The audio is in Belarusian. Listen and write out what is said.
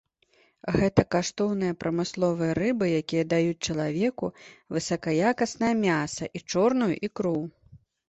Гэта каштоўныя прамысловыя рыбы, якія даюць чалавеку высакаякаснае мяса і чорную ікру.